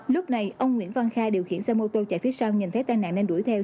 lúc này ông nguyễn văn kha điều khiển xe mô tô chạy phía sau nhìn thấy tai nạn nên đuổi theo